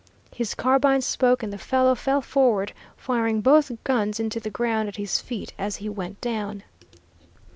His carbine spoke, and the fellow fell forward, firing both guns into the ground at his feet as he went down.